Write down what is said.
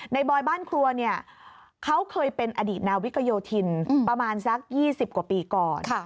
บอยบ้านครัวเนี่ยเขาเคยเป็นอดีตนาวิกโยธินประมาณสัก๒๐กว่าปีก่อน